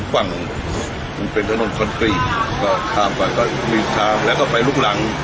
อีกบ้างเป็นจนปีก็ข้าวเป็นก็มีแล้วก็ไปลูกหลัง